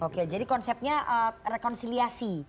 oke jadi konsepnya rekonsiliasi